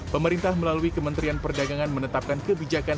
pemerintah melalui kementerian perdagangan menetapkan kebijakan